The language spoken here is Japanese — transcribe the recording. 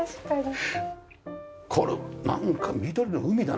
これなんか緑の海だねこれ。